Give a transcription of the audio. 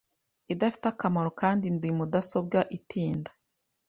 idafite akamaro kandi ndi mudasobwa itinda